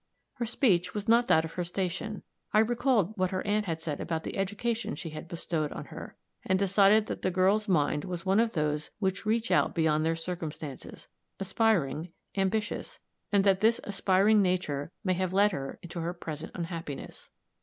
Her speech was not that of her station; I recalled what her aunt had said about the education she had bestowed on her, and decided that the girl's mind was one of those which reach out beyond their circumstances aspiring ambitious and that this aspiring nature may have led her into her present unhappiness.